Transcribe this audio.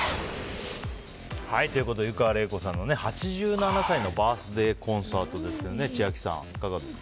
湯川れい子さんの８７歳のバースデーコンサートですけど千秋さん、いかがですか？